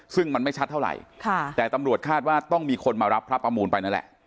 ซึ่งมันไม่ชัดเท่าไหร่แต่ตำรวจคาดว่าต้องมีคนมารับพระประมูลไปนั่นแหละ